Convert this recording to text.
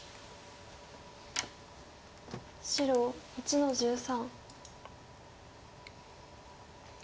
白１の十三。